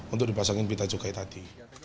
untuk dipasangin pita cukai tadi